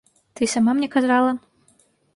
Ты і сама мне казала.